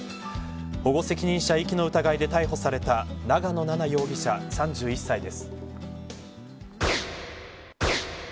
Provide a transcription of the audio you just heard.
保護責任者遺棄の疑いで逮捕された長野奈々容疑者３１歳です。